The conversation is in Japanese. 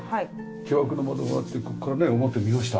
木枠の窓があってここからね表見ました。